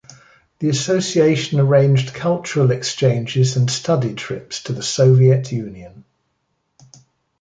The association arranged cultural exchanges and study trips to the Soviet Union.